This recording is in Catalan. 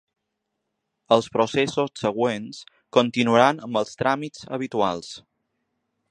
Els processos següents continuaran amb els tràmits habituals.